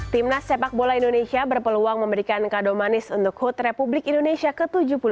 timnas sepak bola indonesia berpeluang memberikan kado manis untuk hut republik indonesia ke tujuh puluh dua